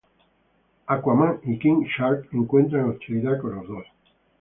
Aquaman y King Shark encuentran hostilidad con los dos.